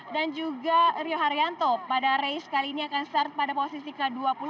dan juga rio haryanto pada race kali ini akan menjuarai di posisi ke dua puluh